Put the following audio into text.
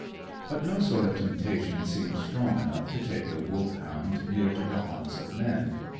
But no sort of temptation seemed strong enough to take the Wolfhound near to the haunts of men.